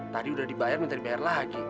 tadi udah dibayar menteri dibayar lagi